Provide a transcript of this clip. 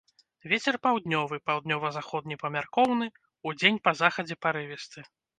Вецер паўднёвы, паўднёва-заходні памяркоўны, удзень па захадзе парывісты.